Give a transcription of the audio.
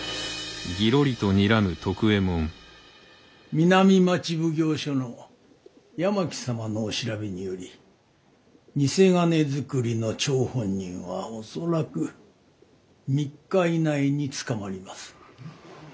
南町奉行所の八巻様のお調べにより贋金造りの張本人は恐らく３日以内に捕まります。